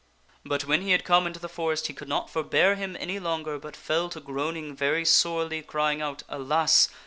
But when he had come into the forest he could not forbear him any longer, but fell to groaning very sorely, crying out, " Alas